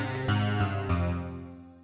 nggak ada sarapan